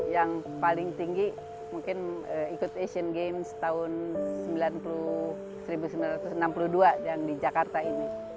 yang paling tinggi mungkin ikut asian games tahun seribu sembilan ratus enam puluh dua yang di jakarta ini